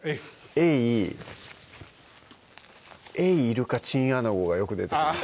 エイエイ・イルカ・チンアナゴがよく出てきます